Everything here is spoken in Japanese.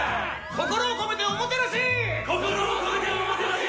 心を込めておもてなし！